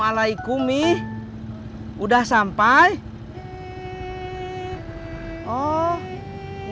kalau lu pindah ke standpoint